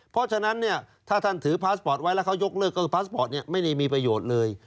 เพราะฉะนั้นเนี่ยถ้าท่านถือพาสปอร์ตไว้แล้วเขายกเลิกก็คือพาสปอร์ตไม่ได้มีประโยชน์เลย